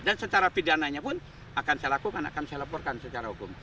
dan secara pidananya pun akan saya lakukan akan saya laporkan secara hukum